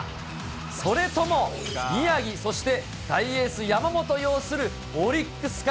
それとも宮城、そして大エース、山本擁するオリックスか。